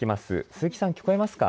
鈴木さん、聞こえますか。